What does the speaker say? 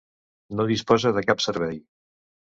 No disposa de cap servei.